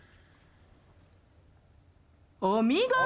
お見事！